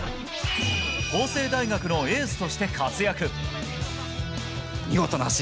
法政大学のエースとして活躍。